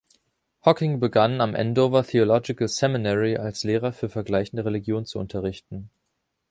Hocking begann am Andover Theological Seminary als Lehrer für vergleichende Religion zu unterrichten.